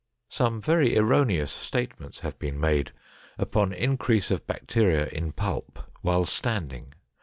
Some very erroneous statements have been made upon increase of bacteria in pulp while standing.